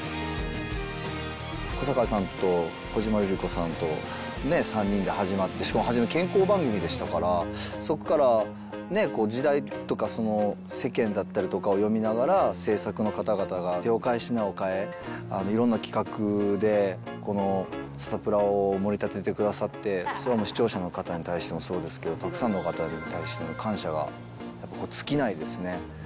小堺さんと小島瑠璃子さんとね、３人で始まって、しかも初め健康番組でしたから、そこから時代とか世間だったりとかを読みながら、制作の方々が手を変え品を変え、いろんな企画で、このサタプラをもり立ててくださって、視聴者の方に対してもそうですけど、たくさんの方に対しての感謝が尽きないですね。